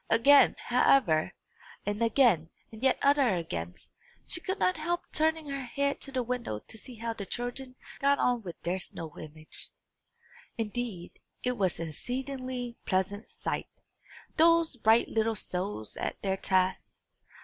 Again, however, and again, and yet other agains, she could not help turning her head to the window to see how the children got on with their snow image. Indeed, it was an exceedingly pleasant sight, those bright little souls at their task!